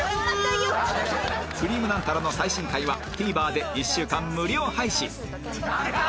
『くりぃむナンタラ』の最新回は ＴＶｅｒ で１週間無料配信